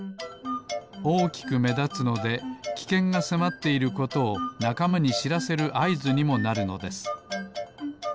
おおきくめだつのできけんがせまっていることをなかまにしらせるあいずにもなるのです。